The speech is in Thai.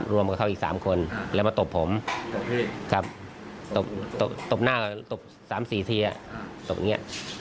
รวมกับเขาอีก๓คนแล้วมาตบผมครับตบหน้าตบ๓๔ทีตบอย่างนี้